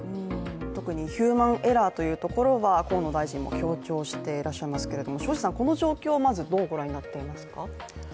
特にヒューマンエラーというところは河野大臣も強調しておりますけれども庄司さん、この状況をまずどうご覧になっていますか？